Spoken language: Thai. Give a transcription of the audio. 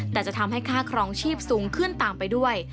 แต่จะทำให้ค่าครองชีพสูงขึ้นตามไปด้วย